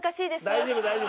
大丈夫大丈夫。